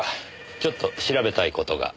ちょっと調べたい事が。